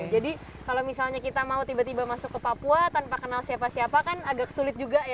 jadi kalau misalnya kita mau tiba tiba masuk ke papua tanpa kenal siapa siapa kan agak sulit juga ya